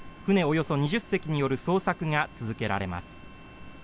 およそ２０隻による捜索が続けられます。